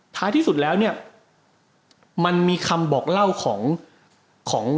ท้ายที่สุดแล้วเนี่ยมันมีคำบอกเล่าของของ